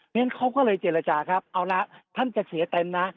งั้นเขาก็เลยเจรจาครับเอาละท่านจะเสียเต็มนะ